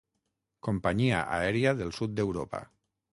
Companyia aèria del sud d'Europa.